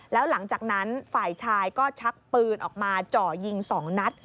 แล้วหลังจากนั้นฝ่ายชายก็ชักปืนออกมาเจาะยิง๒นัด